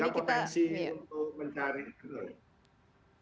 sehingga potensi untuk mencari